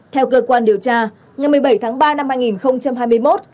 theo cơ quan điều tra ngày một mươi bảy tháng ba năm hai nghìn hai mươi một